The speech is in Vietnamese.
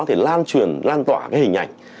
thì lan truyền lan tỏa cái hình ảnh